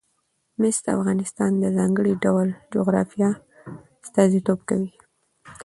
مس د افغانستان د ځانګړي ډول جغرافیه استازیتوب کوي.